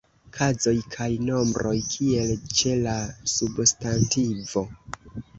Kazoj kaj nombroj kiel ĉe la substantivo.